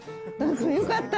よかった。